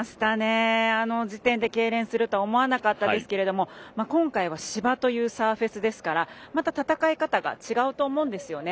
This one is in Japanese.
あの時点でけいれんするとは思わなかったですけど今回は芝というサーフェスですからまた戦い方が違うと思うんですよね。